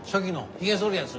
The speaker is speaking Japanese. ひげそるやつ。